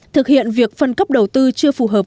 thực hiện việc phân cấp đầu tư chưa phù hợp